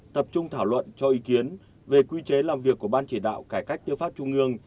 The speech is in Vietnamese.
tập trung thảo luận cho ý kiến về quy chế làm việc của ban chỉ đạo cải cách tư pháp trung ương